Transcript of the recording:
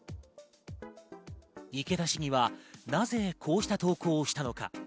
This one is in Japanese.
池田市議はなぜこうした投稿をしたのか。